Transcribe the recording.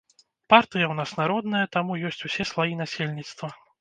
Партыя ў нас народная, таму ёсць усе слаі насельніцтва.